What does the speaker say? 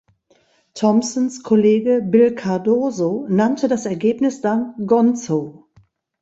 Thompsons Kollege Bill Cardoso nannte das Ergebnis dann "Gonzo".